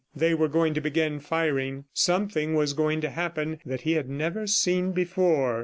They were going to begin firing; something was going to happen that he had never seen before.